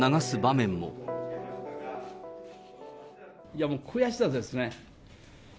いや、もう悔しさですね。